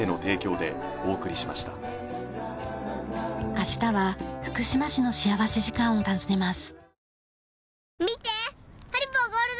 明日は福島市の幸福時間を訪ねます。